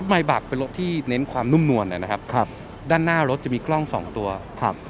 มายบักเป็นรถที่เน้นความนุ่มนวลนะครับครับด้านหน้ารถจะมีกล้องสองตัวครับ